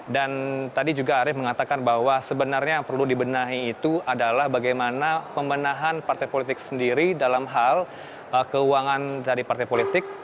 dan tadi juga arief mengatakan bahwa sebenarnya yang perlu dibenahi itu adalah bagaimana pembenahan partai politik sendiri dalam hal keuangan dari partai politik